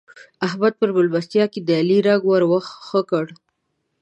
احمد په مېلمستيا کې د علي رنګ ور ښه کړ.